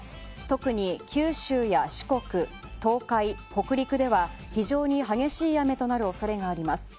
特に、九州や四国東海、北陸では非常に激しい雨となる恐れがあります。